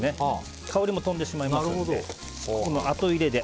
香りも飛んでしまいますのであと入れで。